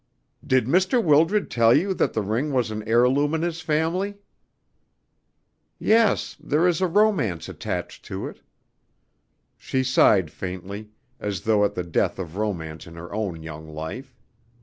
"Did Mr. Wildred tell you that the ring was an heirloom in his family?" "Yes. There is a romance attached to it." She sighed faintly, as though at the death of romance in her own young life.